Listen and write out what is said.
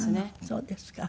そうですか。